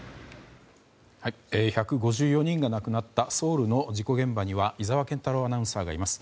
１５４人が亡くなったソウルの事故現場には井澤健太朗アナウンサーがいます。